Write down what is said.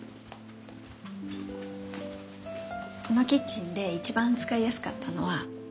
このキッチンで一番使いやすかったのは。